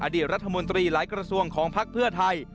อดีตรัฐมนตรีหลายกระทรวงของพักเพื่อไทย